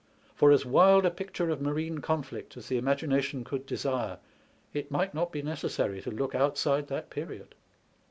For as wild a picture of marine conflict as the imagi nation could desire, it might not be necessary to look outside that period.